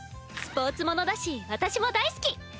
スポーツものだし私も大好き。